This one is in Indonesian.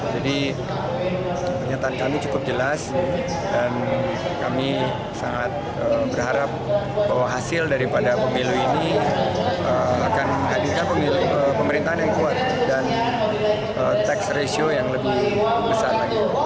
jadi penyataan kami cukup jelas dan kami sangat berharap bahwa hasil daripada pemilu ini akan menghadirkan pemerintahan yang kuat dan tax ratio yang lebih besar